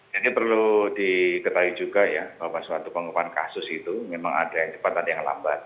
jadi perlu diketahui juga ya bahwa suatu pengembangan kasus itu memang ada yang cepat ada yang lambat